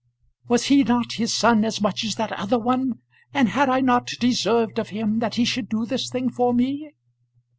"Was he not his son as much as that other one; and had I not deserved of him that he should do this thing for me?"